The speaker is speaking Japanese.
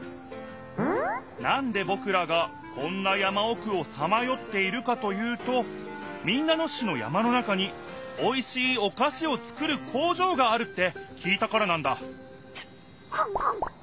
なんでぼくらがこんな山おくをさまよっているかというと民奈野市の山の中においしいおかしをつくる工場があるって聞いたからなんだクンクン。